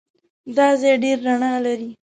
دا ځای ډېر رڼا لري.